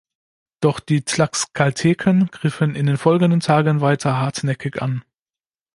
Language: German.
Doch die Tlaxcalteken griffen in den folgenden Tagen weiter hartnäckig an.